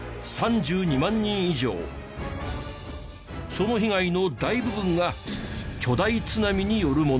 その被害の大部分が巨大津波によるもの。